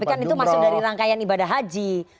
tapi kan itu masuk dari rangkaian ibadah haji